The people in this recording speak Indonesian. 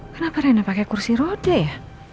kenapa reina pakai kursi rode ya